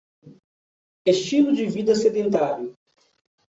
Estilo de vida sedentário